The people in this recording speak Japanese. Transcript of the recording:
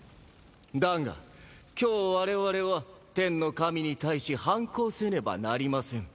だが今日我々は天の神に対し反抗せねばなりません。